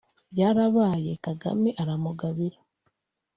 Byarabaye Kagame aramugabira